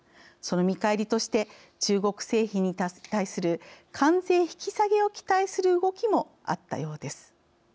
その見返りとして中国製品に対する関税引き下げを期待する動きもあったようです。